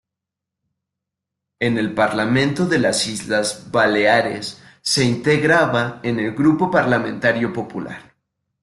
En el Parlamento de las Islas Baleares se integraba en el grupo parlamentario popular.